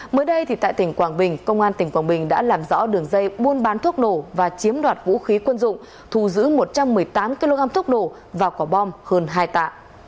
mới đây tại tỉnh quảng bình công an tỉnh quảng bình đã làm rõ đường dây buôn bán thuốc nổ và chiếm đoạt vũ khí quân dụng thù giữ một trăm một mươi tám kg thuốc nổ và quả bom hơn hai tạ